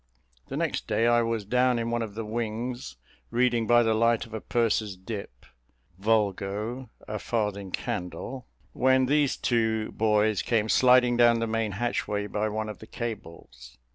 The next day I was down in one of the wings, reading by the light of a purser's dip vulgo, a farthing candle, when these two boys came sliding down the main hatchway by one of the cables.